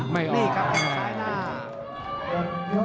ไม่ออก